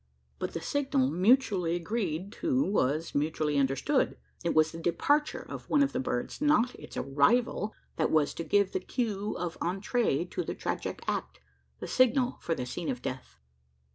But the signal mutually agreed to was mutually understood: it was the departure of one of the birds not its arrival that was to give the cue of entree to the tragic act the signal for the scene of death.